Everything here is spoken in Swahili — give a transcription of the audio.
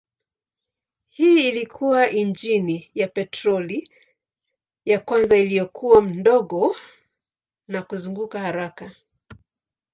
Hii ilikuwa injini ya petroli ya kwanza iliyokuwa ndogo na kuzunguka haraka.